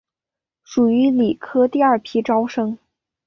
属于理科第二批招生。